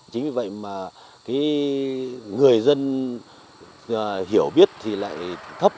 chính vì vậy mà cái người dân hiểu biết thì lại thấp